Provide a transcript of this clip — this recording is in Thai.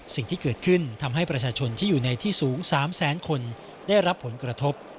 สิ่งที่เกิดขึ้นทำให้ประชาชนที่อยู่ในที่สูง๓แสนคนได้รับผลกระทบ